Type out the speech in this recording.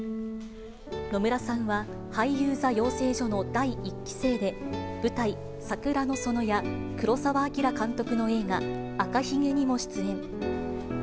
野村さんは俳優座養成所の第１期生で、舞台、桜の園や、黒澤明監督の映画、赤ひげにも出演。